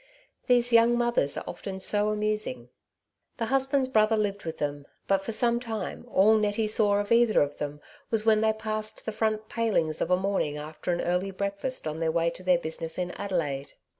These young mothers are often so amusing. The husband's brother lived with them, but for some time all Nettie saw of either of them was when they passed the front palings of a morniug after an early breakfast, on their way to their business in Adelaide.